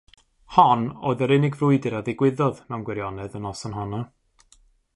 Hon oedd yr unig frwydr a ddigwyddodd mewn gwirionedd y noson honno.